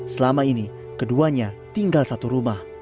selama ini keduanya tinggal satu rumah